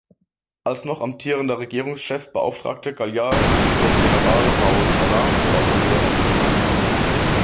Als noch amtierender Regierungschef beauftragte Gaillard General Raoul Salan, die Ordnung wiederherzustellen.